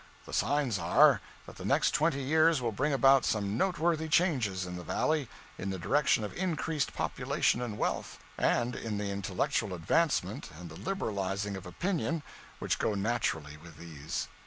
The signs are, that the next twenty years will bring about some noteworthy changes in the Valley, in the direction of increased population and wealth, and in the intellectual advancement and the liberalizing of opinion which go naturally with these.